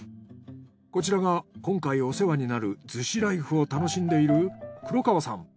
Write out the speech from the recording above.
こちらが今回お世話になる逗子ライフを楽しんでいる黒川さん。